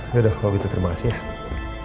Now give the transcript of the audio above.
yaudah kalau begitu terima kasih ya